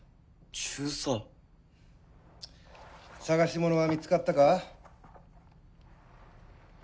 中佐探し物は見つかったか？